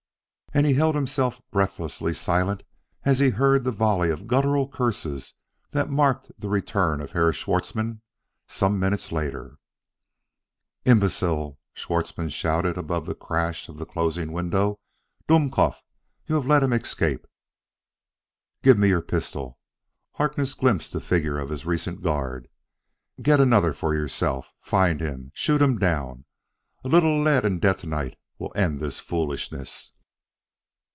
And he held himself breathlessly silent as he heard the volley of gutteral curses that marked the return of Herr Schwartzmann some minutes later. "Imbecile!" Schwartzmann shouted above the crash of the closing window. "Dumkopff! You have let him escape. "Give me your pistol!" Harkness glimpsed the figure of his recent guard. "Get another for yourself find him! shoot him down! A little lead and detonite will end this foolishness!"